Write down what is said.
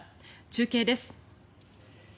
中継です。